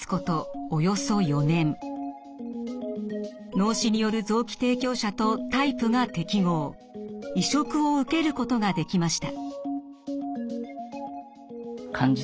脳死による臓器提供者とタイプが適合移植を受けることができました。